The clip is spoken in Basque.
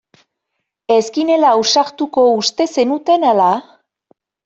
Ez ginela ausartuko uste zenuten ala?